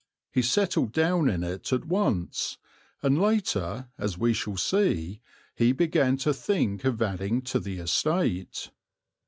He settled down in it at once, and later, as we shall see, he began to think of adding to the estate.